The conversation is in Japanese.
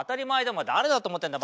お前誰だと思ってるんだよ